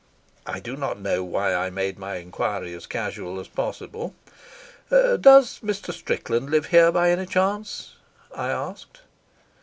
I do not know why I made my enquiry as casual as possible. "Does Mr. Strickland live here by any chance?" I asked.